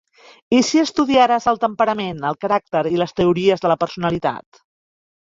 I si estudiares el temperament, el caràcter i les teories de la personalitat?